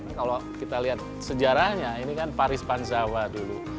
kalau kita lihat sejarahnya ini kan paris panzawa dulu